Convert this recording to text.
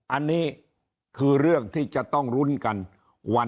อันนี้คือเรื่องที่จะต้องทำให้ทุกคนรู้สึกด้วยนะครับ